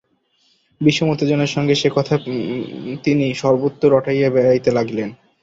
বিষম উত্তেজনার সঙ্গে সে কথা তিনি সর্বত্র রটাইয়া বেড়াইতে লাগিলেন।